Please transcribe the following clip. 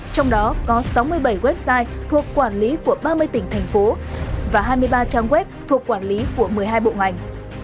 trong đó có sáu mươi bảy website thuộc quản lý của ba mươi tỉnh thành phố và hai mươi ba trang web thuộc quản lý của một mươi hai bộ ngành